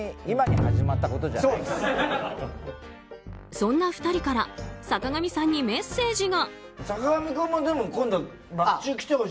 そんな２人から坂上さんにメッセージが。